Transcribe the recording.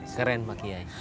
keren mak kiai